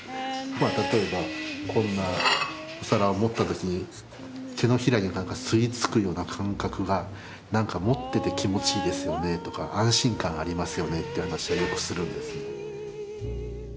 例えばこんな皿を持った時に手のひらに吸い付くような感覚が「何か持ってて気持ちいいですよね」とか「安心感ありますよね」という話はよくするんです。